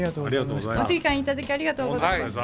お時間頂きありがとうございました。